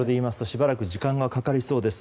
しばらく時間がかかりそうです。